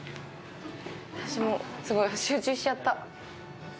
すごい集中しちゃった。